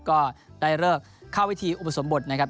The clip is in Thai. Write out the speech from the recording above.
ก็ได้เลิกเข้าวิธีอุปสมบทนะครับ